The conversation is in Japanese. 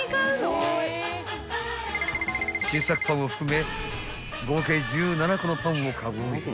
［新作パンを含め合計１７個のパンをカゴへ］